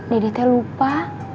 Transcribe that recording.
dede teh lupa